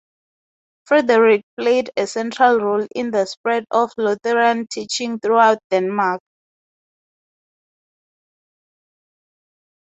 Frederick played a central role in the spread of Lutheran teaching throughout Denmark.